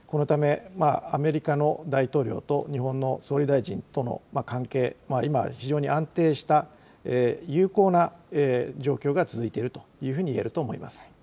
このため、アメリカの大統領と日本の総理大臣との関係、今、非常に安定した有効な状況が続いているというふうにいえると思います。